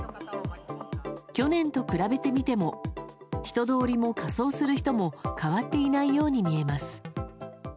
去年と比べてみても人通りも仮装する人も変わっていないように見えます。